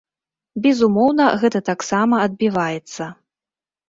Безумоўна, гэта таксама адбіваецца.